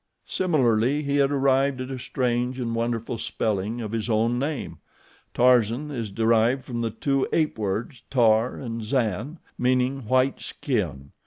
Similarly he had arrived at a strange and wonderful spelling of his own name. Tarzan is derived from the two ape words TAR and ZAN, meaning white skin.